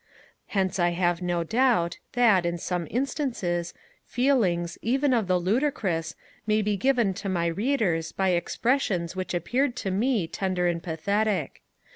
Hence I have no doubt, that, in some instances, feelings, even of the ludicrous, may be given to my Readers by expressions which appeared to me tender and pathetic.